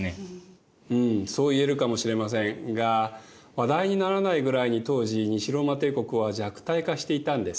そう言えるかもしれませんが話題にならないぐらいに当時西ローマ帝国は弱体化していたんです。